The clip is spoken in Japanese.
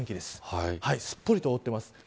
すっぽりと覆っています。